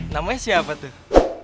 namanya siapa tuh